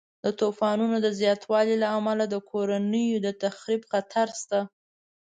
د طوفانونو د زیاتوالي له امله د کورنیو د تخریب خطر شته.